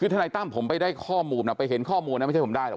คือทนายตั้มผมไปได้ข้อมูลนะไปเห็นข้อมูลนะไม่ใช่ผมได้หรอ